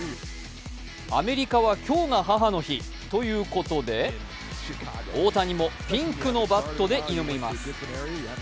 アメリカは今日が母の日ということで、大谷もピンクのバットで挑みます。